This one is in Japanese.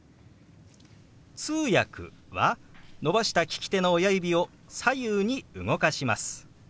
「通訳」は伸ばした利き手の親指を左右に動かします。